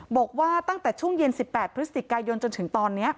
บอกว่าตั้งแต่ช่วงเย็น๑๘พฤศจิกายนจนถึงตอนนี้